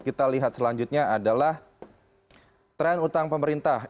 kita lihat selanjutnya adalah tren utang pemerintah